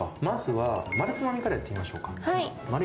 まずは、丸つまみからやっていきましょう。